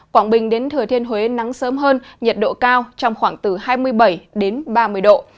quảng bình đến thừa thiên huế nắng sớm hơn nhiệt độ cao trong khoảng từ hai mươi bảy đến ba mươi độ